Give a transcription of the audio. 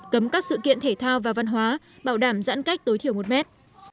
cấm các sự kiện thể thao và văn hóa bảo đảm giãn cách tối thiểu một mét